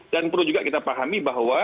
dan perlu juga kita pahami bahwa